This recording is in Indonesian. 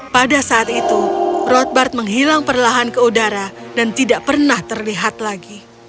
pada saat itu roadbard menghilang perlahan ke udara dan tidak pernah terlihat lagi